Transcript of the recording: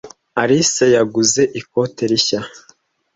Alice yaguze ikote rishya.